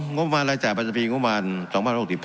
งบประมาณรายจ่ายประจำปีงบประมาณ๒๐๖๕